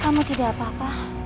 kamu tidak apa apa